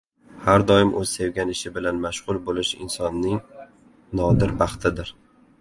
Har doim o‘z sevgan ishi bilan mashg‘ul bo‘lish insonning nodir baxtidir.